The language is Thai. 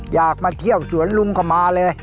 อยากมาเที่ยวสวนลุงก็มาเลย